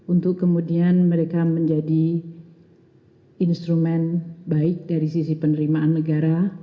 untuk kemudian mereka menjadi instrumen baik dari sisi penerimaan negara